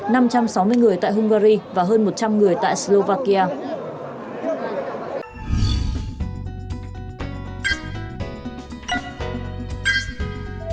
năm trăm sáu mươi người tại hungary và hơn một trăm linh người tại slovakia